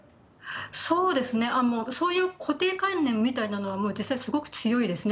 そうですね、そういう固定観念みたいなものはもう実際、すごく強いですね。